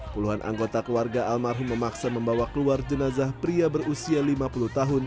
puluhan anggota keluarga almarhum memaksa membawa keluar jenazah pria berusia lima puluh tahun